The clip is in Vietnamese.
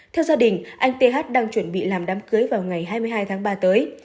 theo gia đình anh th đang chuẩn bị làm đám cưới vào ngày hai mươi hai tháng ba tới